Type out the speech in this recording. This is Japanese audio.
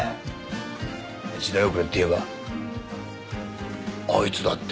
時代遅れっていえばあいつだって。